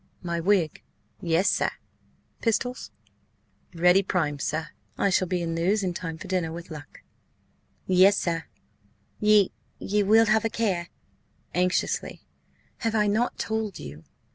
"My wig?" "Yes, sir." "Pistols?" "Ready primed, sir." "Good. I shall be in Lewes in time for dinner–with luck." "Yes, sir. Ye–ye will have a care?" anxiously. "Have I not told you?"